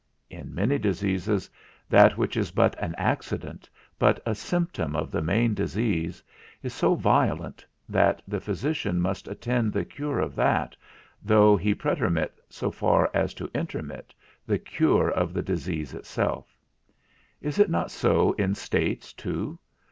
In many diseases, that which is but an accident, but a symptom of the main disease, is so violent, that the physician must attend the cure of that, though he pretermit (so far as to intermit) the cure of the disease itself. Is it not so in states too?